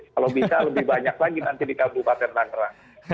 kalau bisa lebih banyak lagi nanti di kabupaten tangerang